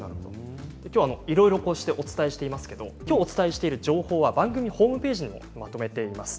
きょうはいろいろお伝えしていますけれどもきょうお伝えしている情報は番組ホームページにまとめています。